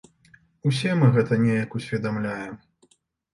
Усе мы гэта неяк усведамляем.